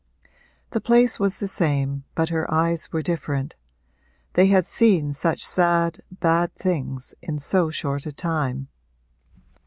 The place was the same but her eyes were different: they had seen such sad, bad things in so short a time.